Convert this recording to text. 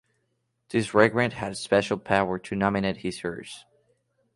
This regrant had special power to nominate his heirs.